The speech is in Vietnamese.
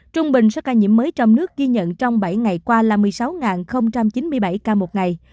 trung bình số ca nhiễm mới trong nước ghi nhận trong bảy ngày qua là một mươi sáu chín mươi bảy ca một ngày